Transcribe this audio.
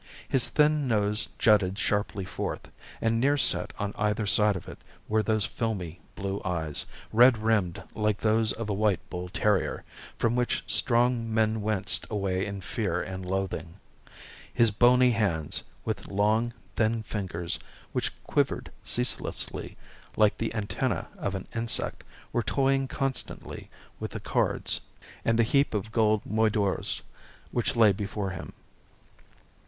His thin nose jutted sharply forth, and near set on either side of it were those filmy blue eyes, red rimmed like those of a white bull terrier, from which strong men winced away in fear and loathing. His bony hands, with long, thin fingers which quivered ceaselessly like the antennae of an insect, were toying constantly with the cards and the heap of gold moidores which lay before him.